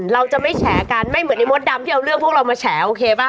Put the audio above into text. เราจะไม่แฉกันไม่เหมือนไอ้มดดำที่เอาเรื่องพวกเรามาแฉโอเคป่ะ